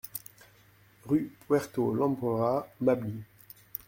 Rue Puerto Lumbreras, Mably